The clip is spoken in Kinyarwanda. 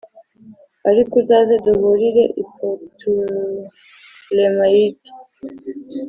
ariko uzaze duhurire i putolemayida